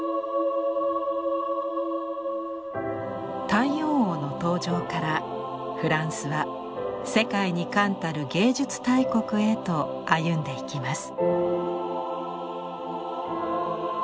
太陽王の登場からフランスは世界に冠たる芸術大国へと歩んでいきます。